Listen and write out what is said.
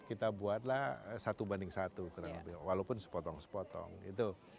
kita buatlah satu banding satu kurang lebih walaupun sepotong sepotong gitu